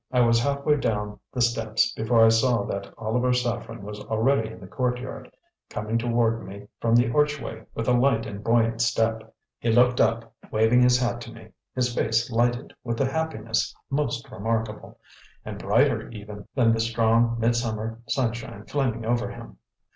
I was half way down the steps before I saw that Oliver Saffren was already in the courtyard, coming toward me from the archway with a light and buoyant step. He looked up, waving his hat to me, his face lighted with a happiness most remarkable, and brighter, even, than the strong, midsummer sunshine flaming over him.